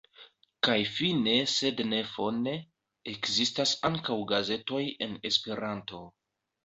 Kaj fine sed ne fone: ekzistas ankaŭ gazetoj en Esperanto.